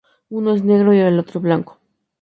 Uno es negro, el otro blanco.